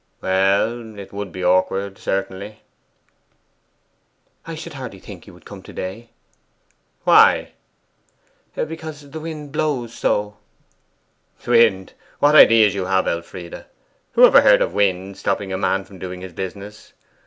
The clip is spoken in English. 'Well, it would be awkward, certainly.' 'I should hardly think he would come to day.' 'Why?' 'Because the wind blows so.' 'Wind! What ideas you have, Elfride! Who ever heard of wind stopping a man from doing his business?